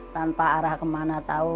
tanpa arah kemana tahu